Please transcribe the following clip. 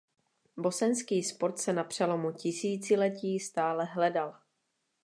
Bosenský sport se na přelomu tisíciletí stále hledal.